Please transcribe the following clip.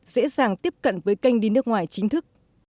dễ dàng tiếp cận với kênh đi nước ngoài chính thức